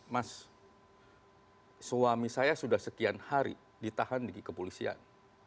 mas suami saya sudah sekian hari ditahan di kepolisian